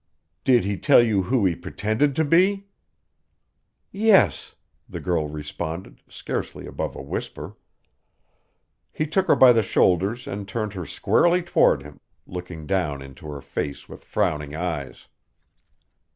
"Did he tell you who he pretended to be?" "Yes," the girl responded, scarcely above a whisper. He took her by the shoulders and turned her squarely toward him, looking down into her face with frowning eyes.